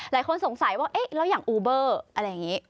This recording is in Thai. หลายคนสงสัยว่าเอ๊ะแล้วอย่างอูเบอร์อะไรอย่างนี้